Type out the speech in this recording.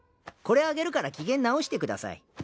これあげるから機嫌直してください。